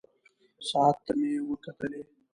ساعت ته مې وکتلې.